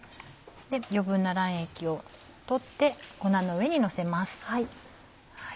余分な卵液を取って粉の上にのせます。